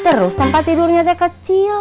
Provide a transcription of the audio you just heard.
terus tempat tidurnya saya kecil